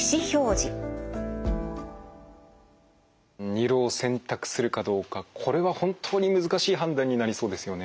胃ろうを選択するかどうかこれは本当に難しい判断になりそうですよね。